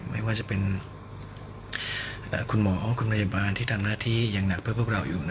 ไม่ว่าจะเป็นคุณหมอคุณพยาบาลที่ทำหน้าที่ยังหนักเพื่อพวกเราอยู่